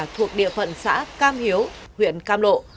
thuộc địa phận xã cam hiếu huyện cam lộ